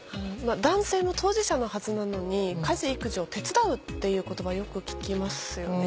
男性も当事者のはずなのに家事育児を手伝うっていう言葉をよく聞きますよね。